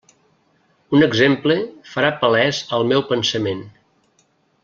Un exemple farà palès el meu pensament.